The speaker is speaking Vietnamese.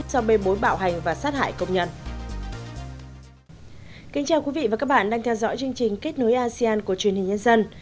kính chào quý vị và sát hại đang theo dõi chương trình kết nối asean của truyền hình nhân dân